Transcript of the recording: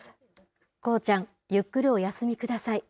工ちゃん、ゆっくりお休みください。